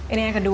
ini yang kedua